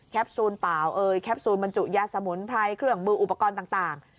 ซูลเปล่าเอ่ยแคปซูลบรรจุยาสมุนไพรเครื่องมืออุปกรณ์ต่าง